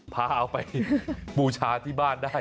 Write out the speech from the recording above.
พาเอาไปบูชาที่บ้านได้